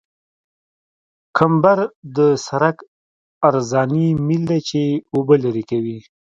کمبر د سرک عرضاني میل دی چې اوبه لرې کوي